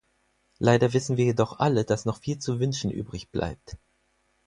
Leider wissen wir jedoch alle, dass noch viel zu wünschen übrigbleibt.